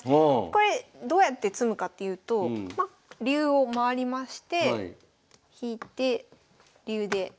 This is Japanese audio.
これどうやって詰むかっていうとま竜を回りまして引いて竜で。